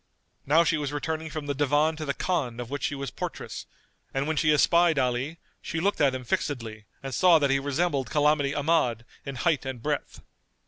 Now she was returning from the Divan to the Khan of which she was portress; and when she espied Ali, she looked at him fixedly and saw that he resembled Calamity Ahmad in height and breadth.